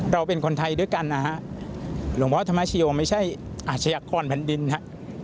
เราเป็นคนไทยด้วยกันนะฮะหลวงพ่อธรรมชโยไม่ใช่อาชญากรแผ่นดินฮะ